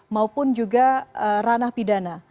maupun juga ranah pidana